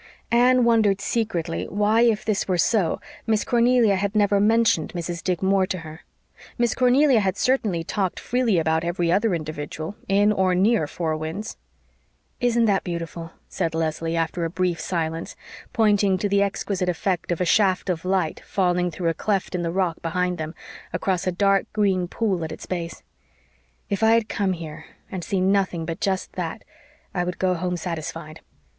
Anne wondered secretly why, if this were so, Miss Cornelia had never mentioned Mrs. Dick Moore to her. Miss Cornelia had certainly talked freely about every other individual in or near Four Winds. "Isn't that beautiful?" said Leslie, after a brief silence, pointing to the exquisite effect of a shaft of light falling through a cleft in the rock behind them, across a dark green pool at its base. "If I had come here and seen nothing but just that I would go home satisfied."